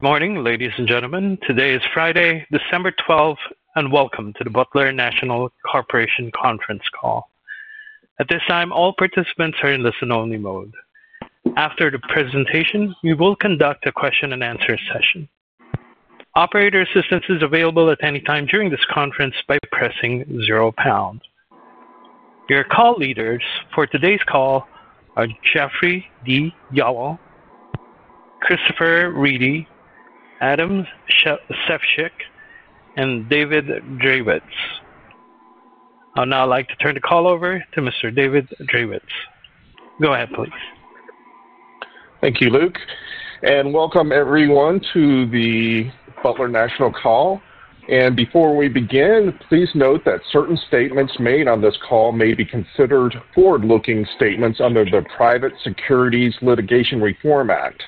Good morning, ladies and gentlemen. Today is Friday, December 12, and welcome to the Butler National Corporation conference call. At this time, all participants are in listen-only mode. After the presentation, we will conduct a question-and-answer session. Operator assistance is available at any time during this conference by pressing zero pound. Your call leaders for today's call are Jeffrey D. Yowell, Christopher Reedy, Adam Sefchick, and David Drewitz. I'd now like to turn the call over to Mr. David Drewitz. Go ahead, please. Thank you, Luke. Welcome, everyone, to the Butler National Call. Before we begin, please note that certain statements made on this call may be considered forward-looking statements under the Private Securities Litigation Reform Act.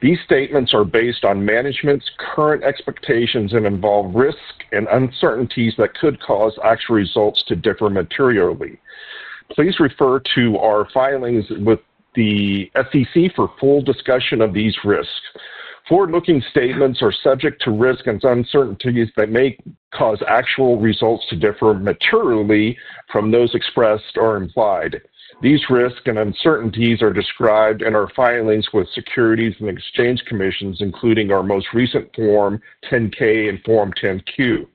These statements are based on management's current expectations and involve risks and uncertainties that could cause actual results to differ materially. Please refer to our filings with the SEC for full discussion of these risks. Forward-looking statements are subject to risks and uncertainties that may cause actual results to differ materially from those expressed or implied. These risks and uncertainties are described in our filings with the Securities and Exchange Commission, including our most recent Form 10-K and Form 10-Q.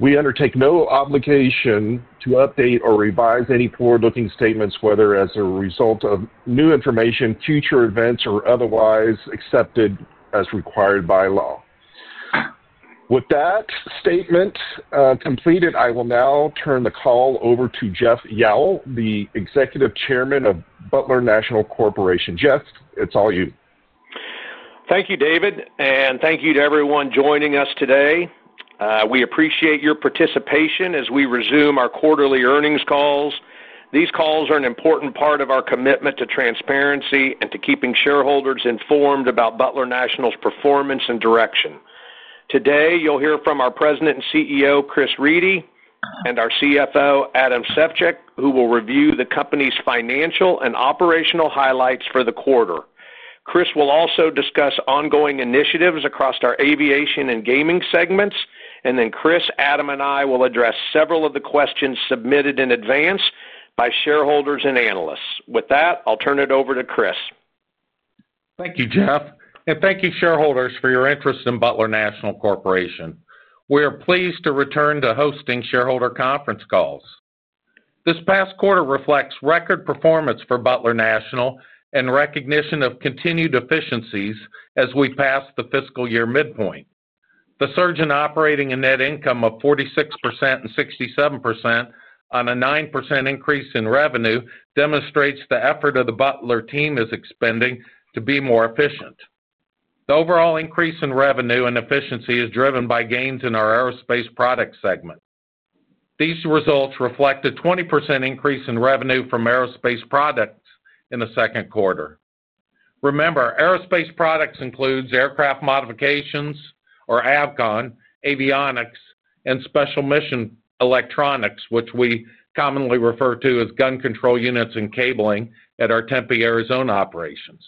We undertake no obligation to update or revise any forward-looking statements, whether as a result of new information, future events, or otherwise except as required by law. With that statement completed, I will now turn the call over to Jeff Yowell, the Executive Chairman of Butler National Corporation. Jeff, it's all you. Thank you, David, and thank you to everyone joining us today. We appreciate your participation as we resume our quarterly earnings calls. These calls are an important part of our commitment to transparency and to keeping shareholders informed about Butler National's performance and direction. Today, you'll hear from our President and CEO, Chris Reedy, and our CFO, Adam Sefchick, who will review the company's financial and operational highlights for the quarter. Chris will also discuss ongoing initiatives across our aviation and gaming segments, and then Chris, Adam, and I will address several of the questions submitted in advance by shareholders and analysts. With that, I'll turn it over to Chris. Thank you, Jeff, and thank you, shareholders, for your interest in Butler National Corporation. We are pleased to return to hosting shareholder conference calls. This past quarter reflects record performance for Butler National and recognition of continued efficiencies as we pass the fiscal year midpoint. The surge in operating and net income of 46% and 67% on a 9% increase in revenue demonstrates the effort of the Butler team is expending to be more efficient. The overall increase in revenue and efficiency is driven by gains in our Aerospace Products segment. These results reflect a 20% increase in revenue from Aerospace Products in the second quarter. Remember, Aerospace Products include aircraft modifications or Avcon, avionics, and special mission electronics, which we commonly refer to as gun control units and cabling at our Tempe, Arizona operations.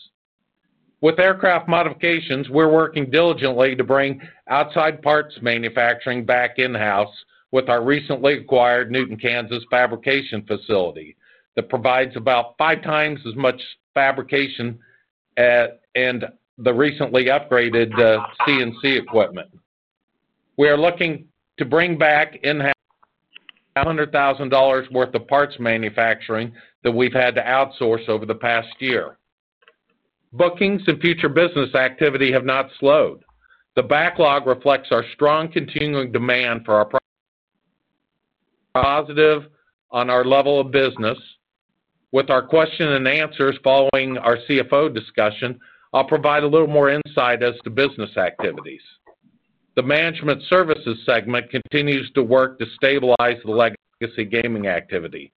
With aircraft modifications, we're working diligently to bring outside parts manufacturing back in-house with our recently acquired Newton, Kansas fabrication facility that provides about five times as much fabrication and the recently upgraded CNC equipment. We are looking to bring back in-house $100,000 worth of parts manufacturing that we've had to outsource over the past year. Bookings and future business activity have not slowed. The backlog reflects our strong continuing demand for our product, positive on our level of business. With our question and answers following our CFO discussion, I'll provide a little more insight as to business activities. The management services segment continues to work to stabilize the legacy gaming activity.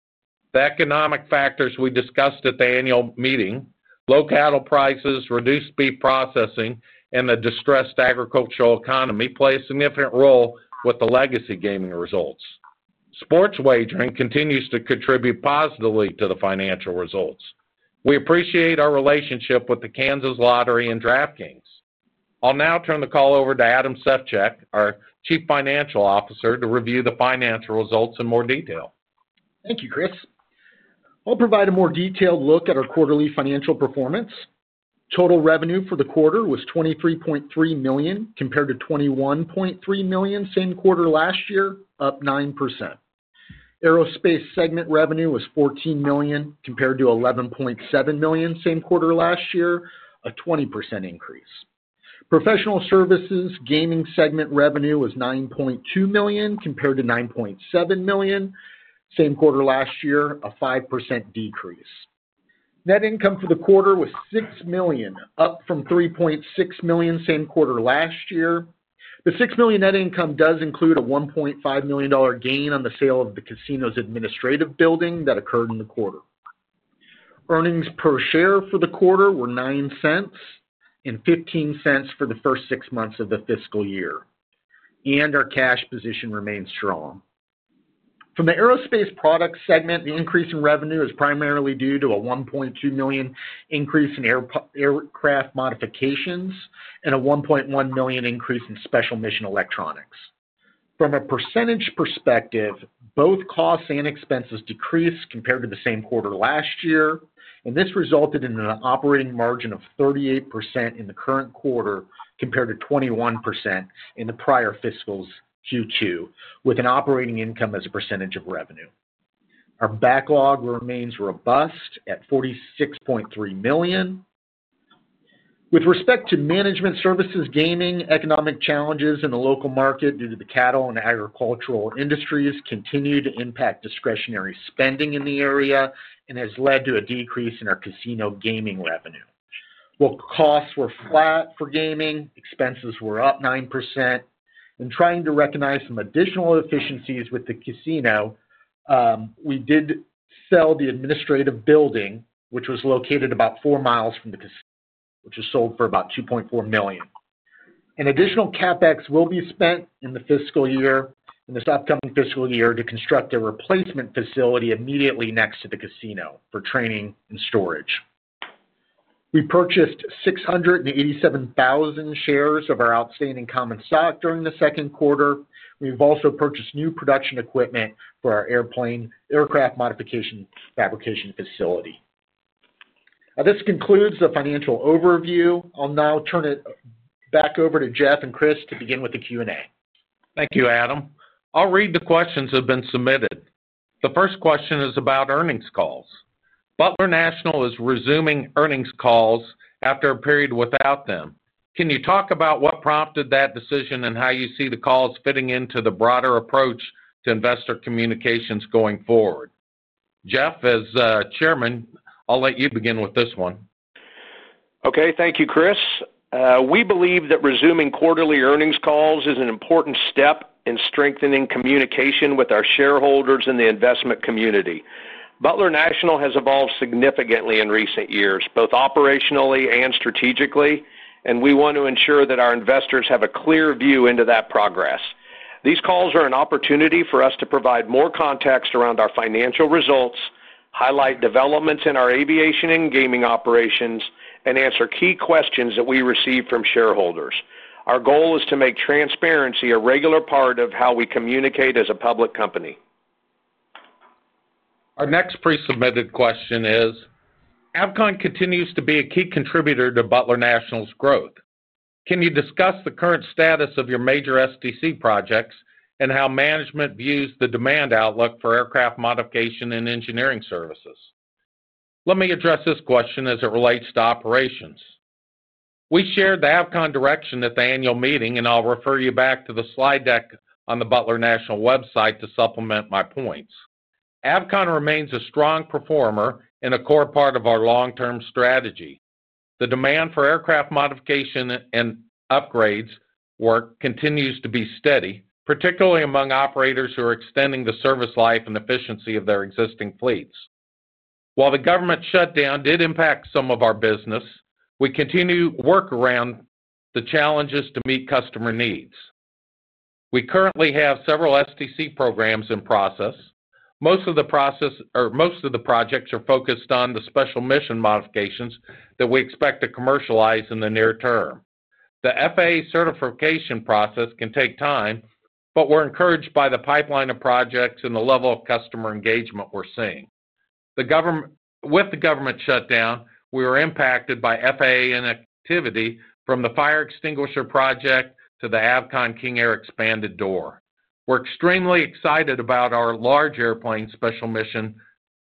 The economic factors we discussed at the annual meeting, low cattle prices, reduced beef processing, and the distressed agricultural economy, play a significant role with the legacy gaming results. Sports wagering continues to contribute positively to the financial results. We appreciate our relationship with the Kansas Lottery and DraftKings. I'll now turn the call over to Adam Sefchick, our Chief Financial Officer, to review the financial results in more detail. Thank you, Chris. I'll provide a more detailed look at our quarterly financial performance. Total revenue for the quarter was $23.3 million compared to $21.3 million same quarter last year, up 9%. Aerospace segment revenue was $14 million compared to $11.7 million same quarter last year, a 20% increase. Professional Services gaming segment revenue was $9.2 million compared to $9.7 million same quarter last year, a 5% decrease. Net income for the quarter was $6 million, up from $3.6 million same quarter last year. The $6 million net income does include a $1.5 million gain on the sale of the casino's administrative building that occurred in the quarter. Earnings per share for the quarter were $0.09 and $0.15 for the first six months of the fiscal year, and our cash position remains strong. From the Aerospace Products segment, the increase in revenue is primarily due to a $1.2 million increase in aircraft modifications and a $1.1 million increase in special mission electronics. From a percentage perspective, both costs and expenses decreased compared to the same quarter last year, and this resulted in an operating margin of 38% in the current quarter compared to 21% in the prior fiscal Q2, with an operating income as a percentage of revenue. Our backlog remains robust at $46.3 million. With respect to management services, gaming economic challenges in the local market due to the cattle and agricultural industries continue to impact discretionary spending in the area and has led to a decrease in our casino gaming revenue. While costs were flat for gaming, expenses were up 9%. In trying to recognize some additional efficiencies with the casino, we did sell the administrative building, which was located about four miles from the casino, which was sold for about $2.4 million. An additional CapEx will be spent in the upcoming fiscal year to construct a replacement facility immediately next to the casino for training and storage. We purchased 687,000 shares of our outstanding common stock during the second quarter. We've also purchased new production equipment for our aircraft modification fabrication facility. This concludes the financial overview. I'll now turn it back over to Jeff and Chris to begin with the Q&A. Thank you, Adam. I'll read the questions that have been submitted. The first question is about earnings calls. Butler National is resuming earnings calls after a period without them. Can you talk about what prompted that decision and how you see the calls fitting into the broader approach to investor communications going forward? Jeff, as Chairman, I'll let you begin with this one. Okay. Thank you, Chris. We believe that resuming quarterly earnings calls is an important step in strengthening communication with our shareholders and the investment community. Butler National has evolved significantly in recent years, both operationally and strategically, and we want to ensure that our investors have a clear view into that progress. These calls are an opportunity for us to provide more context around our financial results, highlight developments in our aviation and gaming operations, and answer key questions that we receive from shareholders. Our goal is to make transparency a regular part of how we communicate as a public company. Our next pre-submitted question is, Avcon continues to be a key contributor to Butler National's growth. Can you discuss the current status of your major STC Projects and how management views the demand outlook for aircraft modification and engineering services? Let me address this question as it relates to operations. We shared the Avcon direction at the annual meeting, and I'll refer you back to the slide deck on the Butler National website to supplement my points. Avcon remains a strong performer and a core part of our long-term strategy. The demand for aircraft modification and upgrades work continues to be steady, particularly among operators who are extending the service life and efficiency of their existing fleets. While the government shutdown did impact some of our business, we continue to work around the challenges to meet customer needs. We currently have several STC programs in process. Most of the process or most of the projects are focused on the special mission modifications that we expect to commercialize in the near term. The FAA certification process can take time, but we're encouraged by the pipeline of projects and the level of customer engagement we're seeing. With the government shutdown, we were impacted by FAA inactivity from the fire extinguisher project to the Avcon King Air expanded door. We're extremely excited about our large airplane special mission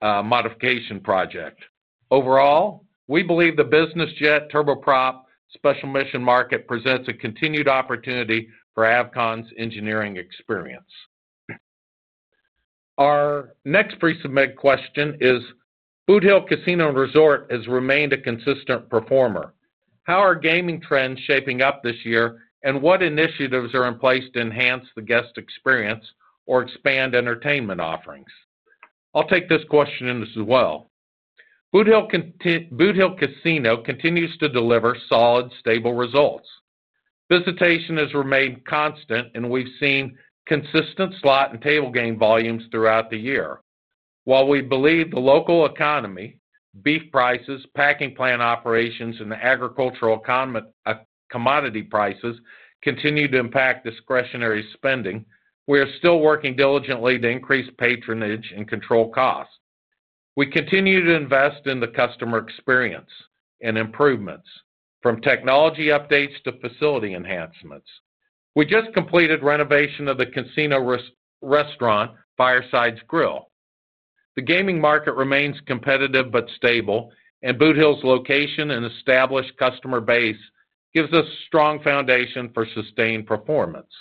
modification project. Overall, we believe the business jet turboprop special mission market presents a continued opportunity for Avcon's engineering experience. Our next pre-submitted question is, Boot Hill Casino & Resort has remained a consistent performer. How are gaming trends shaping up this year, and what initiatives are in place to enhance the guest experience or expand entertainment offerings? I'll take this question as well. Boot Hill Casino continues to deliver solid, stable results. Visitation has remained constant, and we've seen consistent slot and table game volumes throughout the year. While we believe the local economy, beef prices, packing plant operations, and the agricultural commodity prices continue to impact discretionary spending, we are still working diligently to increase patronage and control costs. We continue to invest in the customer experience and improvements, from technology updates to facility enhancements. We just completed renovation of the casino restaurant, Firesides Grill. The gaming market remains competitive but stable, and Boot Hill's location and established customer base gives us a strong foundation for sustained performance.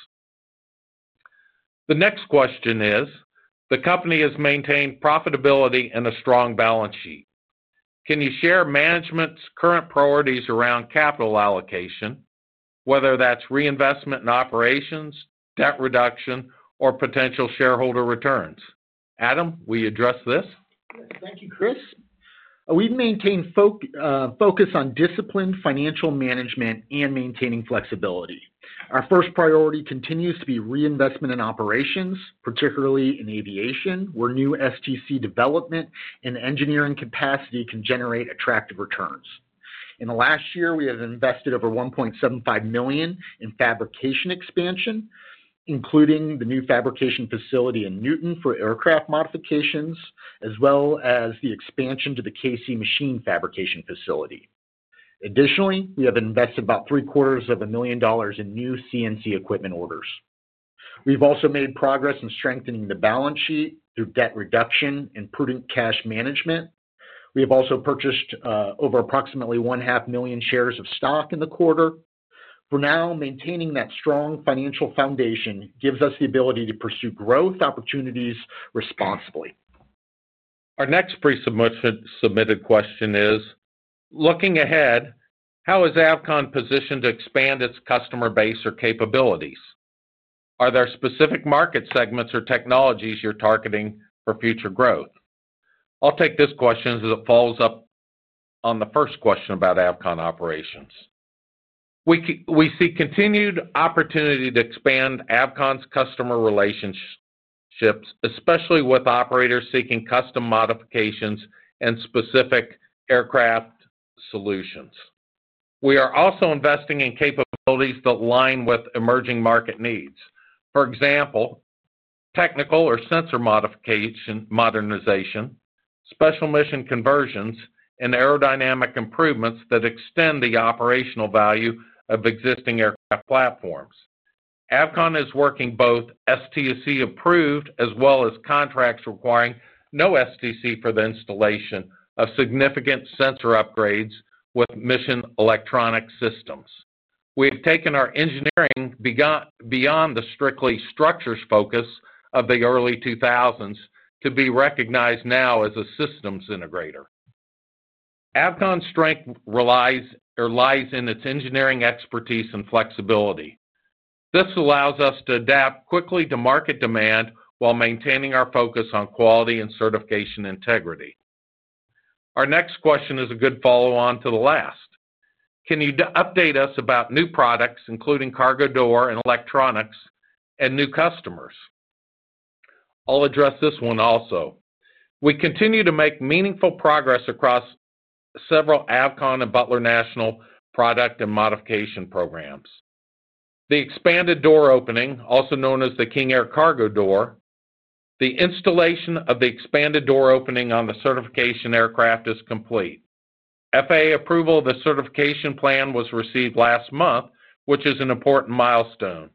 The next question is, the company has maintained profitability and a strong balance sheet. Can you share management's current priorities around capital allocation, whether that's reinvestment in operations, debt reduction, or potential shareholder returns? Adam, will you address this? Thank you, Chris. We've maintained focus on discipline, financial management, and maintaining flexibility. Our first priority continues to be reinvestment in operations, particularly in aviation, where new STC development and engineering capacity can generate attractive returns. In the last year, we have invested over $1.75 million in fabrication expansion, including the new fabrication facility in Newton for aircraft modifications, as well as the expansion to the CNC machine fabrication facility. Additionally, we have invested about $750,000 in new CNC equipment orders. We've also made progress in strengthening the balance sheet through debt reduction and prudent cash management. We have also purchased over approximately 500,000 shares of stock in the quarter. For now, maintaining that strong financial foundation gives us the ability to pursue growth opportunities responsibly. Our next pre-submitted question is, looking ahead, how is Avcon positioned to expand its customer base or capabilities? Are there specific market segments or technologies you're targeting for future growth? I'll take this question as it follows up on the first question about Avcon operations. We see continued opportunity to expand Avcon's customer relationships, especially with operators seeking custom modifications and specific aircraft solutions. We are also investing in capabilities that align with emerging market needs. For example, technical or sensor modernization, special mission conversions, and aerodynamic improvements that extend the operational value of existing aircraft platforms. Avcon is working both STC-approved as well as contracts requiring no STC for the installation of significant sensor upgrades with mission electronic systems. We have taken our engineering beyond the strictly structures focus of the early 2000s to be recognized now as a systems integrator. Avcon's strength relies on its engineering expertise and flexibility. This allows us to adapt quickly to market demand while maintaining our focus on quality and certification integrity. Our next question is a good follow-on to the last. Can you update us about new products, including cargo door and electronics, and new customers? I'll address this one also. We continue to make meaningful progress across several Avcon and Butler National product and modification programs. The expanded door opening, also known as the King Air Cargo Door. The installation of the expanded door opening on the certification aircraft is complete. FAA approval of the certification plan was received last month, which is an important milestone.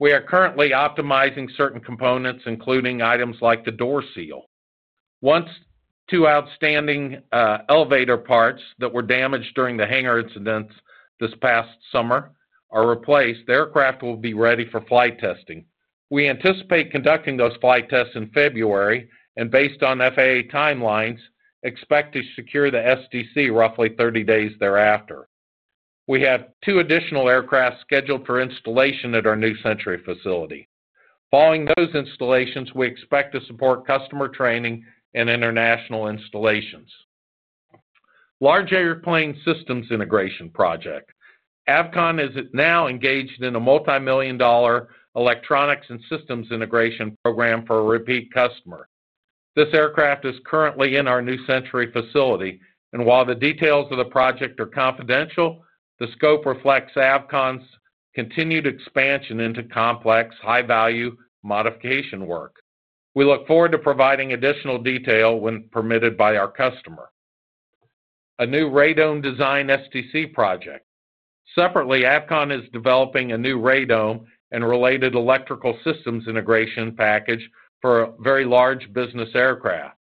We are currently optimizing certain components, including items like the door seal. Once two outstanding elevator parts that were damaged during the hangar incidents this past summer are replaced, the aircraft will be ready for flight testing. We anticipate conducting those flight tests in February, and based on FAA timelines, expect to secure the STC roughly 30 days thereafter. We have two additional aircraft scheduled for installation at our New Century facility. Following those installations, we expect to support customer training and international installations. Large Airplane Systems Integration Project. Avcon is now engaged in a multi-million dollar electronics and systems integration program for a repeat customer. This aircraft is currently in our New Century facility, and while the details of the project are confidential, the scope reflects Avcon's continued expansion into complex, high-value modification work. We look forward to providing additional detail when permitted by our customer. A new radome design STC project. Separately, Avcon is developing a new radome and related electrical systems integration package for a very large business aircraft.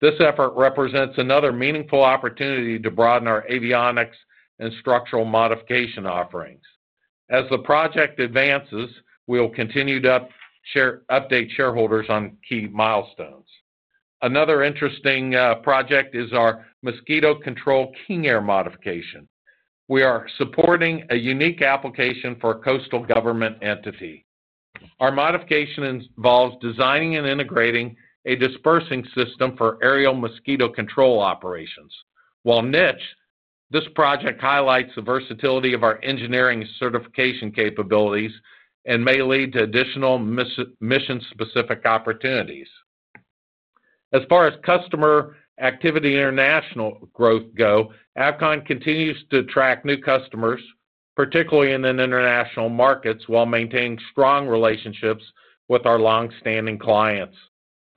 This effort represents another meaningful opportunity to broaden our avionics and structural modification offerings. As the project advances, we will continue to update shareholders on key milestones. Another interesting project is our Mosquito Control King Air Modification. We are supporting a unique application for a coastal government entity. Our modification involves designing and integrating a dispersing system for Aerial Mosquito Control Operations. While niche, this project highlights the versatility of our engineering certification capabilities and may lead to additional mission-specific opportunities. As far as customer activity international growth goes, Avcon continues to attract new customers, particularly in international markets, while maintaining strong relationships with our long-standing clients.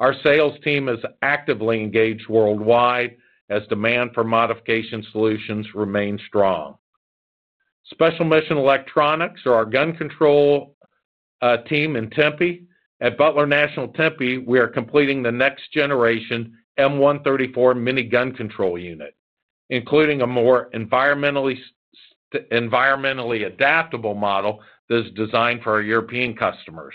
Our sales team is actively engaged worldwide as demand for modification solutions remains strong. Special mission electronics, our gun control team in Tempe. At Butler National Tempe, we are completing the next-generation M134 Minigun control unit, including a more environmentally adaptable model that is designed for our European customers.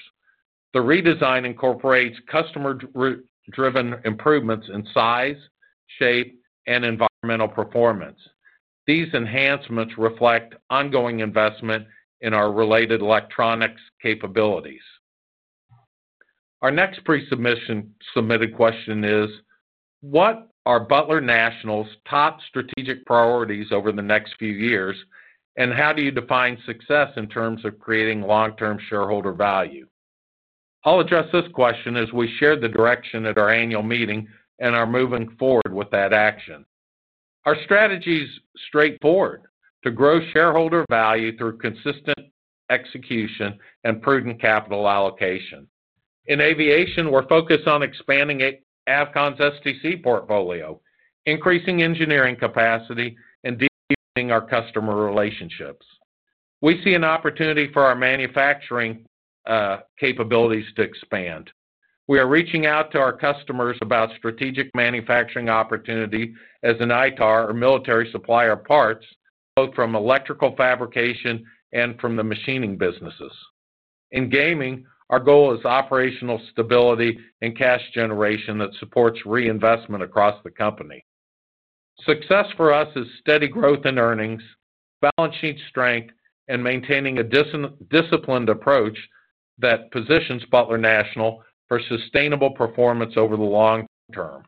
The redesign incorporates customer-driven improvements in size, shape, and environmental performance. These enhancements reflect ongoing investment in our related electronics capabilities. Our next pre-submitted question is, what are Butler National's top strategic priorities over the next few years, and how do you define success in terms of creating long-term shareholder value? I'll address this question as we share the direction at our annual meeting and are moving forward with that action. Our strategy is straightforward: to grow shareholder value through consistent execution and prudent capital allocation. In aviation, we're focused on expanding Avcon's STC portfolio, increasing engineering capacity, and deepening our customer relationships. We see an opportunity for our manufacturing capabilities to expand. We are reaching out to our customers about strategic manufacturing opportunity as an ITAR or military supplier of parts, both from electrical fabrication and from the machining businesses. In gaming, our goal is operational stability and cash generation that supports reinvestment across the company. Success for us is steady growth in earnings, balance sheet strength, and maintaining a disciplined approach that positions Butler National for sustainable performance over the long term.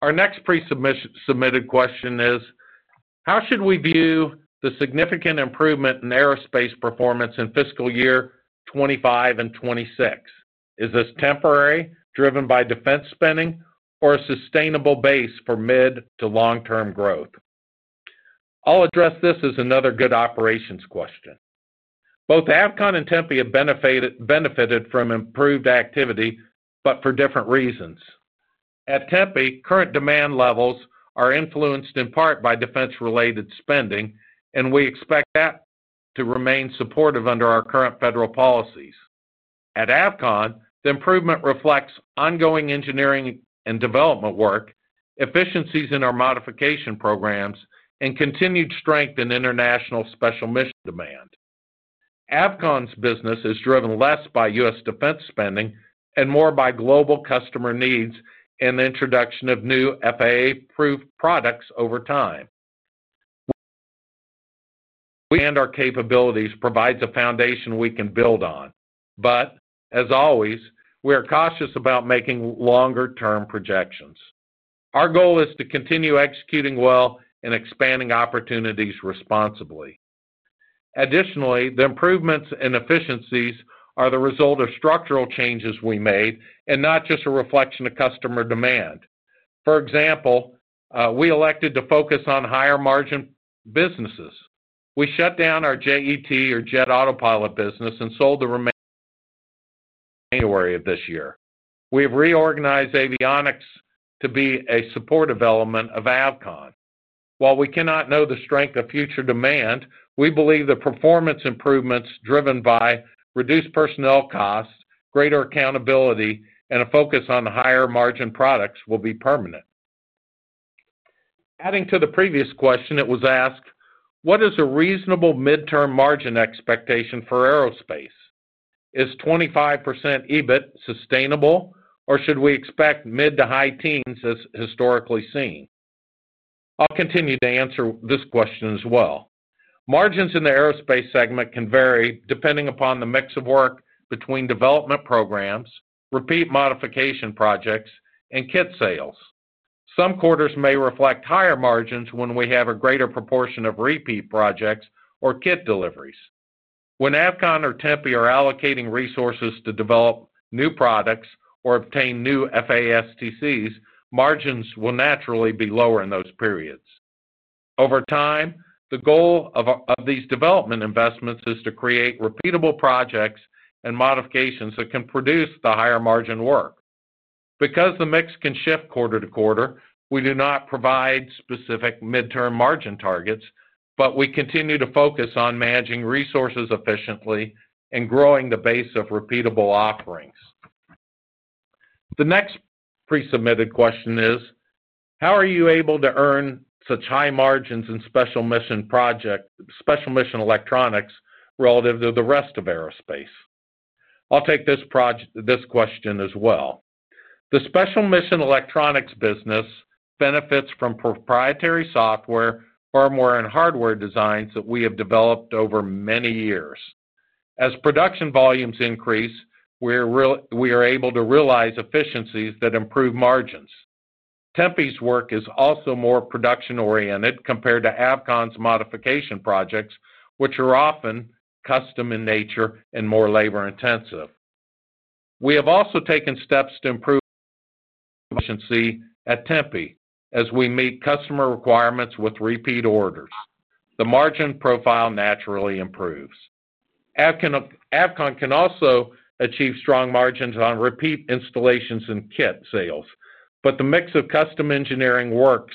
Our next pre-submitted question is, how should we view the significant improvement in aerospace performance in fiscal year 2025 and 2026? Is this temporary, driven by defense spending, or a sustainable base for mid to long-term growth? I'll address this as another good operations question. Both Avcon and Tempe have benefited from improved activity, but for different reasons. At Tempe, current demand levels are influenced in part by defense-related spending, and we expect that to remain supportive under our current federal policies. At Avcon, the improvement reflects ongoing engineering and development work, efficiencies in our modification programs, and continued strength in international special mission demand. Avcon's business is driven less by U.S. defense spending and more by global customer needs and the introduction of new FAA-approved products over time. We and our capabilities provide a foundation we can build on, but as always, we are cautious about making longer-term projections. Our goal is to continue executing well and expanding opportunities responsibly. Additionally, the improvements and efficiencies are the result of structural changes we made and not just a reflection of customer demand. For example, we elected to focus on higher-margin businesses. We shut down our JET, or JET Autopilot business and sold the remaining in January of this year. We have reorganized avionics to be a support development of Avcon. While we cannot know the strength of future demand, we believe the performance improvements driven by reduced personnel costs, greater accountability, and a focus on higher-margin products will be permanent. Adding to the previous question, it was asked, what is a reasonable mid-term margin expectation for aerospace? Is 25% EBIT sustainable, or should we expect mid- to high teens, as historically seen? I'll continue to answer this question as well. Margins in the aerospace segment can vary depending upon the mix of work between development programs, repeat modification projects, and kit sales. Some quarters may reflect higher margins when we have a greater proportion of repeat projects or kit deliveries. When Avcon or Tempe are allocating resources to develop new products or obtain new FAA STCs, margins will naturally be lower in those periods. Over time, the goal of these development investments is to create repeatable projects and modifications that can produce the higher-margin work. Because the mix can shift quarter to quarter, we do not provide specific mid-term margin targets, but we continue to focus on managing resources efficiently and growing the base of repeatable offerings. The next pre-submitted question is, how are you able to earn such high margins in special mission electronics relative to the rest of aerospace? I'll take this question as well. The Special Mission Electronics business benefits from proprietary software, firmware, and hardware designs that we have developed over many years. As production volumes increase, we are able to realize efficiencies that improve margins. Tempe's work is also more production-oriented compared to Avcon's modification projects, which are often custom in nature and more labor-intensive. We have also taken steps to improve efficiency at Tempe as we meet customer requirements with repeat orders. The margin profile naturally improves. Avcon can also achieve strong margins on repeat installations and kit sales, but the mix of custom engineering work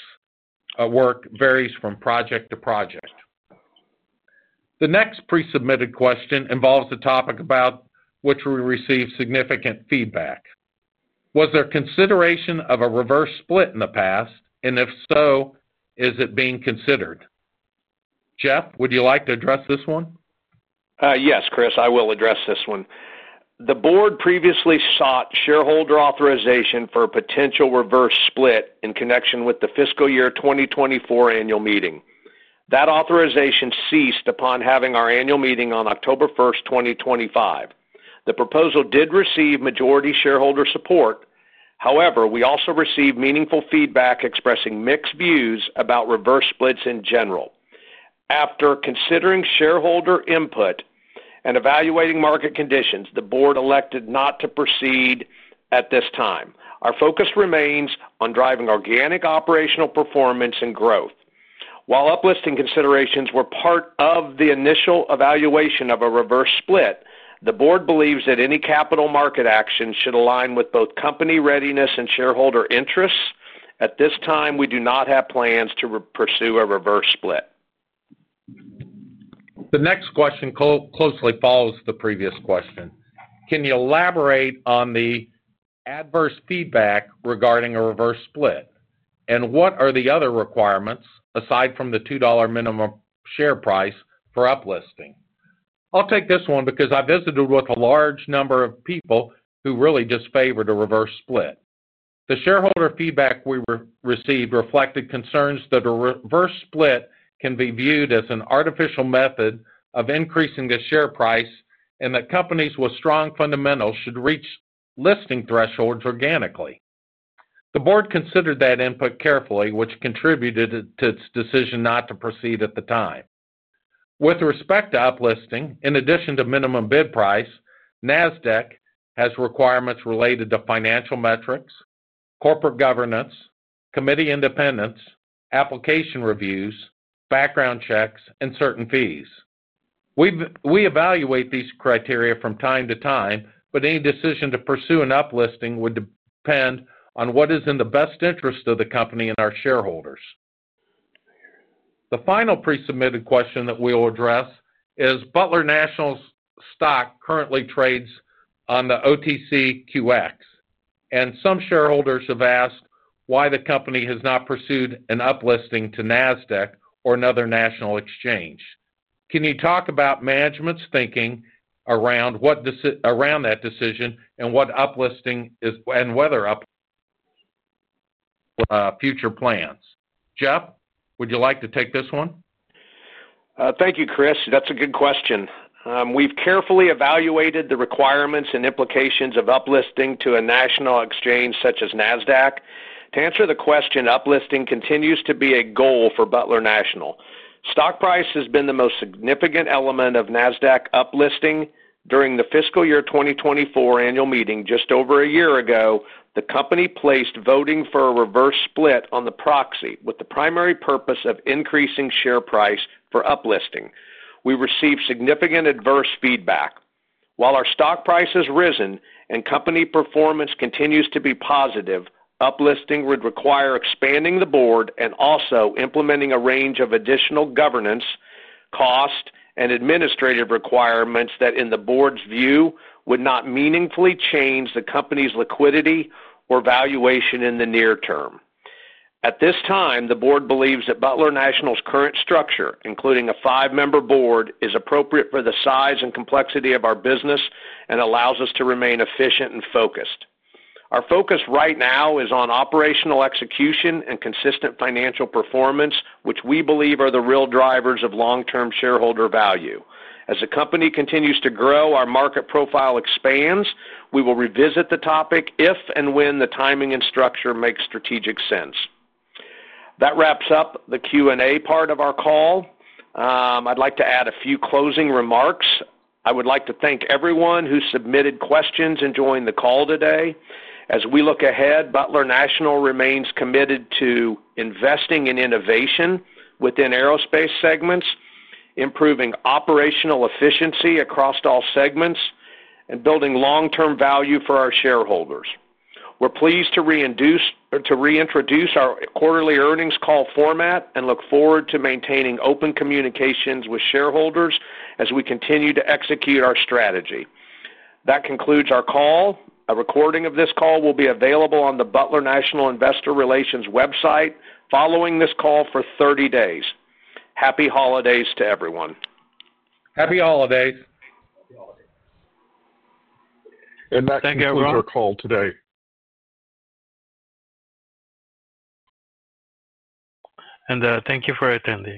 varies from project to project. The next pre-submitted question involves a topic about which we received significant feedback. Was there consideration of a reverse split in the past, and if so, is it being considered? Jeff, would you like to address this one? Yes, Chris, I will address this one. The Board previously sought shareholder authorization for a potential reverse split in connection with the fiscal year 2024 annual meeting. That authorization ceased upon having our annual meeting on October 1st, 2025. The proposal did receive majority shareholder support. However, we also received meaningful feedback expressing mixed views about reverse splits in general. After considering shareholder input and evaluating market conditions, the Board elected not to proceed at this time. Our focus remains on driving organic operational performance and growth. While uplisting considerations were part of the initial evaluation of a reverse split, the Board believes that any capital market action should align with both company readiness and shareholder interests. At this time, we do not have plans to pursue a reverse split. The next question closely follows the previous question. Can you elaborate on the adverse feedback regarding a reverse split, and what are the other requirements aside from the $2 minimum share price for uplisting? I'll take this one because I visited with a large number of people who really disfavored a reverse split. The shareholder feedback we received reflected concerns that a reverse split can be viewed as an artificial method of increasing the share price and that companies with strong fundamentals should reach listing thresholds organically. The Board considered that input carefully, which contributed to its decision not to proceed at the time. With respect to uplisting, in addition to minimum bid price, NASDAQ has requirements related to financial metrics, corporate governance, committee independence, application reviews, background checks, and certain fees. We evaluate these criteria from time to time, but any decision to pursue an uplisting would depend on what is in the best interest of the company and our shareholders. The final pre-submitted question that we will address is, "Butler National's stock currently trades on the OTCQX, and some shareholders have asked why the company has not pursued an uplisting to NASDAQ or another national exchange. Can you talk about management's thinking around that decision and whether uplisting is and whether uplisting future plans?" Jeff, would you like to take this one? Thank you, Chris. That's a good question. We've carefully evaluated the requirements and implications of uplisting to a national exchange such as NASDAQ. To answer the question, uplisting continues to be a goal for Butler National. Stock price has been the most significant element of NASDAQ uplisting during the fiscal year 2024 annual meeting. Just over a year ago, the company placed voting for a reverse split on the proxy with the primary purpose of increasing share price for uplisting. We received significant adverse feedback. While our stock price has risen and company performance continues to be positive, uplisting would require expanding the board and also implementing a range of additional governance, cost, and administrative requirements that, in the Board's view, would not meaningfully change the company's liquidity or valuation in the near term. At this time, the Board believes that Butler National's current structure, including a five-member board, is appropriate for the size and complexity of our business and allows us to remain efficient and focused. Our focus right now is on operational execution and consistent financial performance, which we believe are the real drivers of long-term shareholder value. As the company continues to grow, our market profile expands. We will revisit the topic if and when the timing and structure makes strategic sense. That wraps up the Q&A part of our call. I'd like to add a few closing remarks. I would like to thank everyone who submitted questions and joined the call today. As we look ahead, Butler National remains committed to investing in innovation within aerospace segments, improving operational efficiency across all segments, and building long-term value for our shareholders. We're pleased to reintroduce our quarterly earnings call format and look forward to maintaining open communications with shareholders as we continue to execute our strategy. That concludes our call. A recording of this call will be available on the Butler National Investor Relations website following this call for 30 days. Happy holidays to everyone. Happy holidays. Thank you all for your call today. Thank you for attending.